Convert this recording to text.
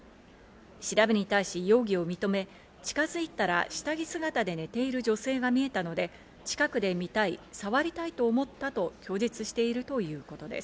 調べに対し容疑を認め、近づいたら下着姿で寝ている女性が見えたので、近くで見たい、触りたいと思ったと供述しているということです。